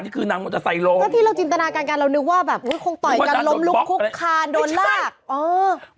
นี่คือนางมันจะใส่ลงก็ที่เราจินตนาการกันเรานึกว่าแบบอุ๊ยคงต่อยกันล้มลุงคุกคานโดนรากไม่ใช่อ๋อ